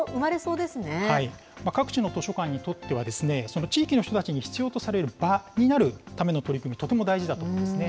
各地の図書館にとっては、地域の人たちに必要とされる場になるための取り組み、とても大事だと思うんですね。